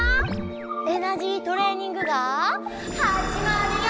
「エナジートレーニング」がはじまるよ！